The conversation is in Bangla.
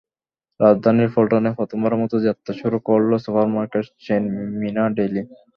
রাজধানীর পল্টনে প্রথমবারের মতো যাত্রা শুরু করল supermarket chain Meena daily.